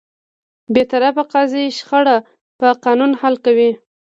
بېطرفه قاضي شخړه په قانون حل کوي.